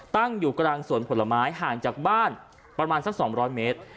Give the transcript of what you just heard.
ตั้งอยู่กลางสวนผลไม้ห่างจากบ้านประมาณสัก๒๐๐เมตร